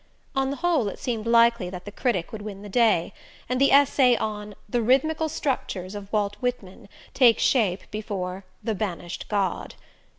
On the whole, it seemed likely that the critic would win the day, and the essay on "The Rhythmical Structures of Walt Whitman" take shape before "The Banished God."